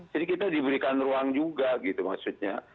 jadi kita diberikan ruang juga gitu maksudnya